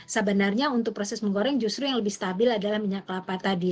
sebenarnya untuk proses menggoreng justru yang lebih stabil adalah minyak kelapa tadi